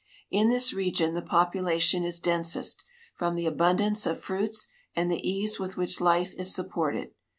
In this region the population is densest, from the abundance of fruits and the ease with which life is sup ported.